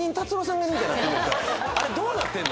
あれどうなってんの？